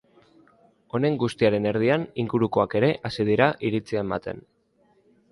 Honen guztiaren erdian, ingurukoak ere hasi dira iritzia ematen.